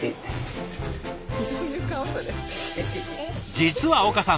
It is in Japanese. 実は岡さん